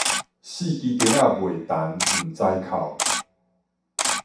四枝釘仔未霆毋知哭